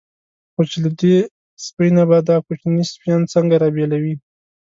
خو چې له دې سپۍ نه به دا کوچني سپیان څنګه را بېلوي.